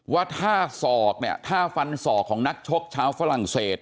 ว่าถ้าฝันศอกของนักชกชาวฝรั่งเศส